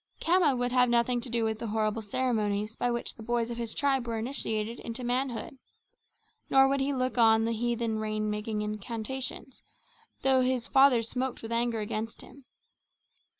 Khama would have nothing to do with the horrible ceremonies by which the boys of the tribe were initiated into manhood; nor would he look on the heathen rain making incantations, though his father smoked with anger against him.